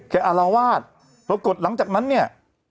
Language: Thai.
อารวาสปรากฏหลังจากนั้นเนี่ย